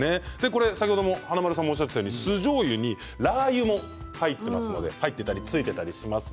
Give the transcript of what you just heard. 先ほど華丸さんもおっしゃっていたように酢じょうゆにラーユが入っていますのでついていたりします。